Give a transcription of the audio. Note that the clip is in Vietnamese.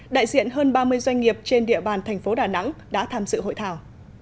đại diện hơn ba mươi doanh nghiệp trên địa bàn thành phố đà nẵng đã tham dự hội thảo